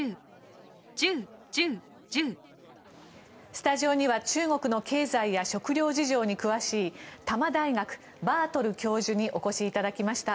スタジオには中国の経済や食料事情に詳しい多摩大学、バートル教授にお越しいただきました。